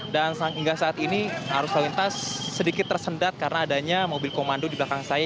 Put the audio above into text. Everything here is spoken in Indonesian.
dan sehingga saat ini arus lalu lintas sedikit tersendat karena adanya mobil komando di belakang saya